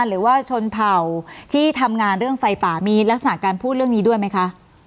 หรือว่าชนเผ่าที่ทำงานเรื่องไฟป่ามีลักษณะการพูดเรื่องนี้ด้วยไหมคะ